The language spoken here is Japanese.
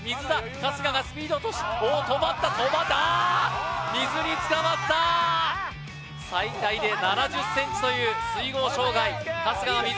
春日がスピードを落とし止まったああっ水につかまった最大で７０ｃｍという水濠障害春日は水